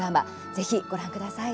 ぜひご覧ください。